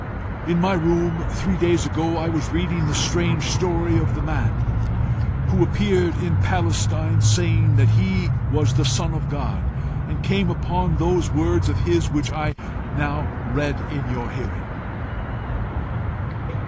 "In my room, three days ago, I was reading the strange story of the man who appeared in Palestine saying that he was the Son of God, and came upon those words of his which I have now read in your hearing.